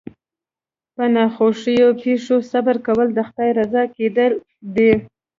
په ناخوښو پېښو صبر کول د خدای رضا کېدل دي.